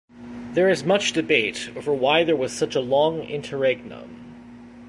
There is much debate over why there was such a long interregnum.